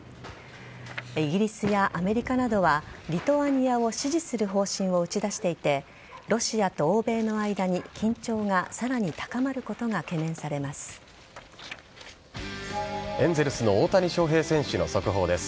イギリスやアメリカなどはリトアニアを支持する方針を打ち出していてロシアと欧米の間に緊張がさらに高まることがエンゼルスの大谷翔平選手の速報です。